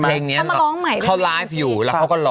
เพลงนี้เขาไลฟ์อยู่แล้วเขาก็ร้อง